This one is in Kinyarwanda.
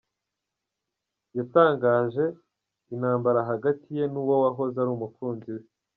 yatangaje intambara hagati ye nu wahoze ari umukunzi we